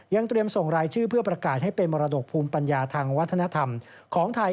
เตรียมส่งรายชื่อเพื่อประกาศให้เป็นมรดกภูมิปัญญาทางวัฒนธรรมของไทย